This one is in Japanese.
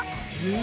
え！